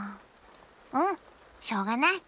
うんしょうがない。